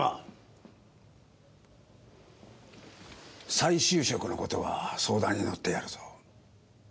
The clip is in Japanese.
再就職の事は相談に乗ってやるぞ。